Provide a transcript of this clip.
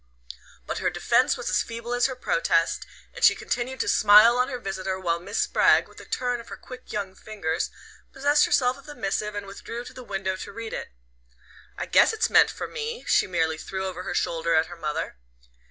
But her defence was as feeble as her protest, and she continued to smile on her visitor while Miss Spragg, with a turn of her quick young fingers, possessed herself of the missive and withdrew to the window to read it. "I guess it's meant for me," she merely threw over her shoulder at her mother.